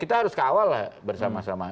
kita harus kawal lah bersama sama